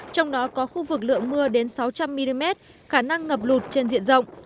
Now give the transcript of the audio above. trong đó có khu vực lượng mưa đến sáu trăm linh mm khả năng ngập lụt trên diện rộng